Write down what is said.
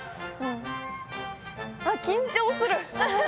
あっ緊張する。